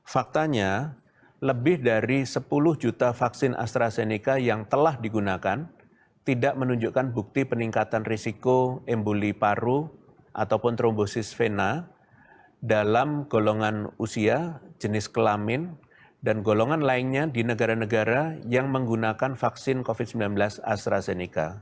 faktanya lebih dari sepuluh juta vaksin astrazeneca yang telah digunakan tidak menunjukkan bukti peningkatan risiko emboli paru atau trombosis vena dalam golongan usia jenis kelamin dan golongan lainnya di negara negara yang menggunakan vaksin covid sembilan belas astrazeneca